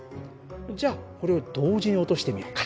じゃあこれを同時に落としてみようか。